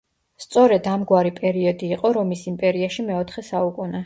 სწორედ ამგვარი პერიოდი იყო რომის იმპერიაში მეოთხე საუკუნე.